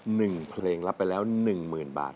หนึ่งเพลงรับไปแล้วหนึ่งหมื่นบาท